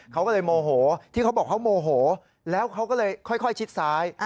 เขาก็เลยโมโหที่เขาบอกเขาโมโหแล้วเขาก็เลยค่อยชิดซ้าย